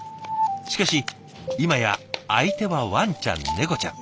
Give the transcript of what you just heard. しかし今や相手はワンちゃんネコちゃん。